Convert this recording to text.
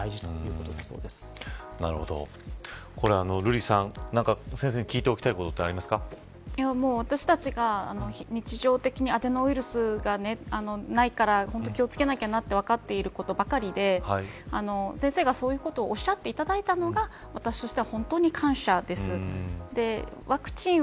瑠麗さん、先生に何か聞いておきたいことは私たちが日常的にアデノウイルスがないから本当に気を付けなきゃということが分かっていることばかりで先生がそういうことをおっしゃっていただいたのが私としては本当に感謝です。